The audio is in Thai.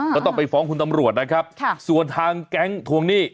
ก็ต้องไปฟ้องคุณตำรวจนะครับส่วนทางแก๊งทวงหนี้